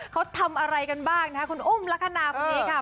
เขาทำอะไรกันบ้างนะคะคุณอุ้มลักษณะคนนี้ค่ะ